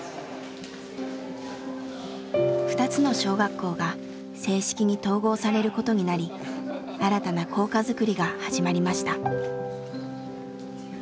２つの小学校が正式に統合されることになり新たな校歌づくりが始まりました。